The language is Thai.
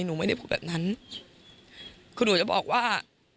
หนูไม่ได้พูดแบบนั้นคือหนูจะบอกว่า